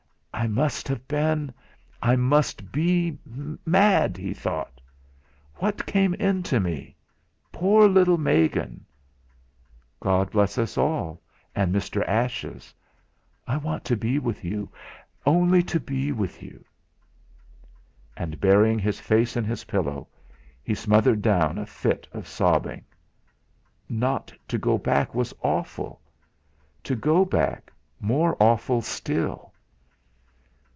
'I must have been I must be mad!' he thought. 'What came into me? Poor little Megan!' "God bless us all, and Mr. Ashes! I want to be with you only to be with you!" And burying his face in his pillow, he smothered down a fit of sobbing. Not to go back was awful! To go back more awful still!